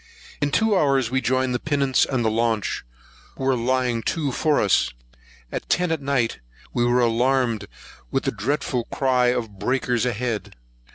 In two hours we joined the pinnace and launch, who were lying to for us. At ten at night we were alarmed with the dreadful cry of breakers ahead.